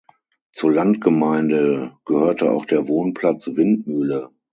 Zur Landgemeinde gehörte auch der Wohnplatz Windmühle.